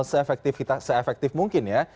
se efektif mungkin ya